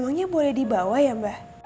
oh emangnya boleh dibawa ya mbak